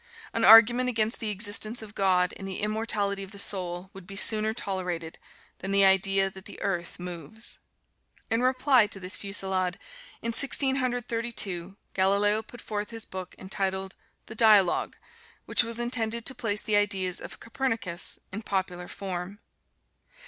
"An argument against the existence of God and the immortality of the soul would be sooner tolerated than the idea that the earth moves." In reply to this fusillade, in Sixteen Hundred Thirty two Galileo put forth his book entitled, "The Dialogue," which was intended to place the ideas of Copernicus in popular form.